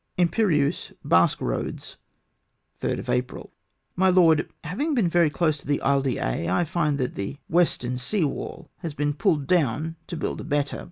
363 " Impeneiise, Basque Eoads, 3rd ApriL *' My Lord, — Having been very close to the Isle d'Aix, I find that the western sea wall has been pulled down to build a better.